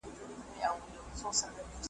زه حاصل غواړم له مځکو د باغلیو ,